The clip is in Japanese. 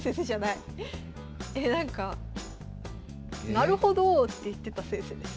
「なるほど」って言ってた先生です。